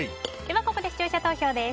ここで視聴者投票です。